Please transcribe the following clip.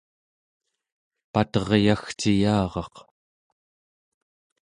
pateryagciyaraq